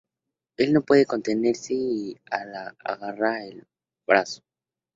Él no puede contenerse y la agarra del brazo.